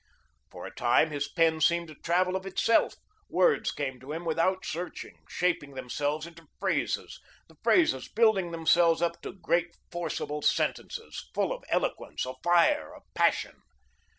For a time, his pen seemed to travel of itself; words came to him without searching, shaping themselves into phrases, the phrases building themselves up to great, forcible sentences, full of eloquence, of fire, of passion.